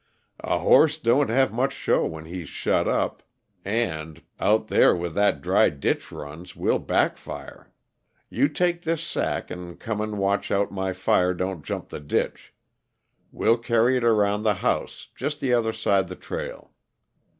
"A horse don't have much show when he's shut up, and Out there where that dry ditch runs, we'll back fire. You take this sack and come and watch out my fire don't jump the ditch. We'll carry it around the house, just the other side the trail."